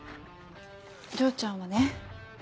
丈ちゃんはね